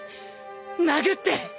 殴って！